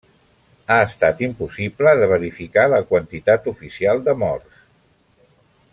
Ha estat impossible de verificar la quantitat oficial de morts.